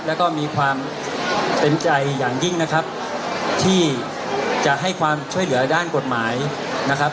แล้วก็มีความเต็มใจอย่างยิ่งนะครับที่จะให้ความช่วยเหลือด้านกฎหมายนะครับ